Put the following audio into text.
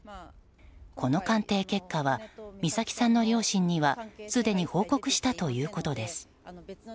この鑑定結果は美咲さんの両親にはすでに報告したということです。